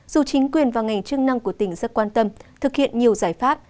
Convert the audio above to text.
dù chính quyền và ngành chức năng của tỉnh rất quan tâm thực hiện nhiều giải pháp